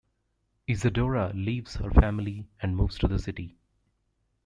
Isadora leaves her family and moves to the city.